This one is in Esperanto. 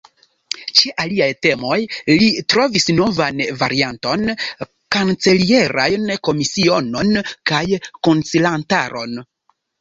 Ĉe aliaj temoj li trovis novan varianton: kancelierajn komisionon kaj konsilantaron.